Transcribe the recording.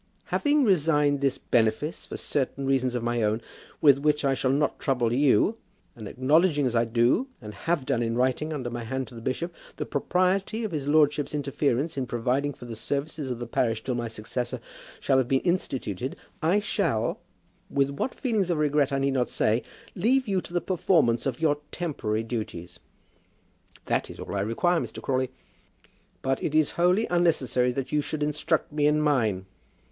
"Having resigned this benefice for certain reasons of my own, with which I shall not trouble you, and acknowledging as I do, and have done in writing under my hand to the bishop, the propriety of his lordship's interference in providing for the services of the parish till my successor shall have been instituted, I shall, with what feelings of regret I need not say, leave you to the performance of your temporary duties." "That is all that I require, Mr. Crawley." "But it is wholly unnecessary that you should instruct me in mine."